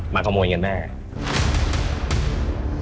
ขโมยเงินแม่